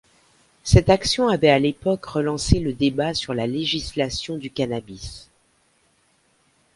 Cette action avait à l'époque relancé le débat sur la législation du cannabis.